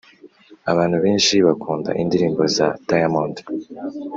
Abantu benshi bakunda indirimbo za diamond